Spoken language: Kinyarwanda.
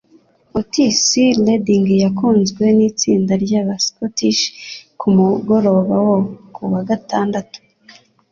Otis Redding yakunzwe nitsinda ryaba Scottish kumugoroba wo kuwa gatandatu